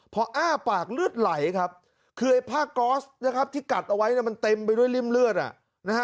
พออ้าปากเลือดไหลครับคือไอ้ผ้าก๊อสนะครับที่กัดเอาไว้เนี่ยมันเต็มไปด้วยริ่มเลือดอ่ะนะฮะ